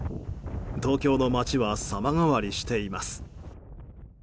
東京の街は様変わりしています。